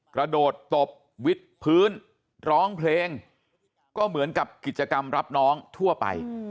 กระโดดตบวิทย์พื้นร้องเพลงก็เหมือนกับกิจกรรมรับน้องทั่วไป